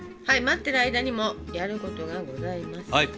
はい待ってる間にもやることがございます。